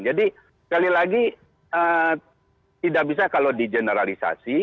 jadi sekali lagi tidak bisa kalau dijeneralisasi